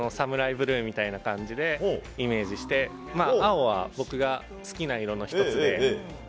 ブルーみたいな感じでイメージして、青は僕が好きな色の一つで。